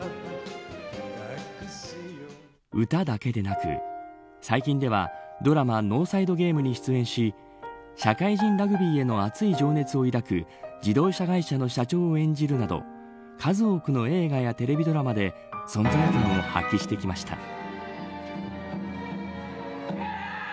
歌だけでなく最近ではドラマノーサイド・ゲームに出演し社会人ラグビーへの熱い情熱を抱く自動車会社の社長を演じるなど数多くの映画やテレビドラマで存在感を発揮してきました。